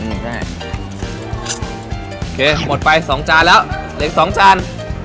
โอเคหมดไป๒จานแล้วอีก๒จาน